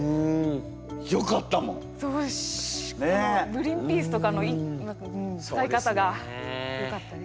グリンピースとかのうん使い方がよかったです。